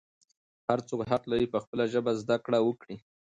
هر څوک حق لري چې په خپله ژبه زده کړه وکړي.